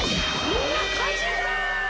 みんな怪人だ！